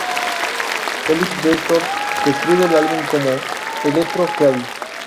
Ellis-Bextor describe el álbum como "electro-heavy".